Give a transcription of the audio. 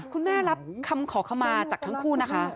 คุณแม่รับคำขอคำมาจากทั้งคู่นะคะ